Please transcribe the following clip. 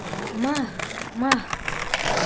Маһ-маһ!